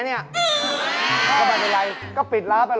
เฮ้ยหัวคิดดีว่ะวันเพลิน๑๒เดือน